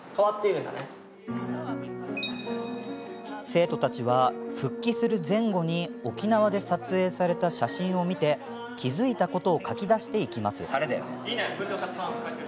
生徒たちは、復帰する前後に沖縄で撮影された写真を見て気付いたことを書き出していきます。